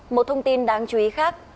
một thông tin đáng chú ý khác